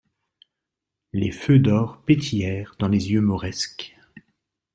Les feux d'or pétillèrent dans les yeux mauresques.